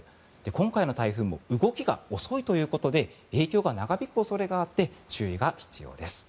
今回の台風も動きが遅いということで影響が長引く恐れがあって注意が必要です。